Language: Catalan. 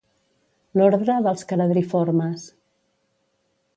L'ordre dels caradriformes.